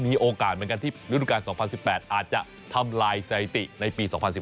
มีโอกาสเหมือนกันที่ฤดูการ๒๐๑๘อาจจะทำลายสถิติในปี๒๐๑๘